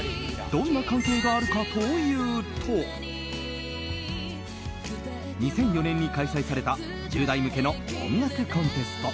どんな関係があるかというと２００４年に開催された１０代向けの音楽コンテスト。